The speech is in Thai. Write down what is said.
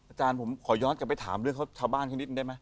อาจารย์ผมขอย้อนกลับไปถามเรื่องชาวบ้านเขานิดได้ไหม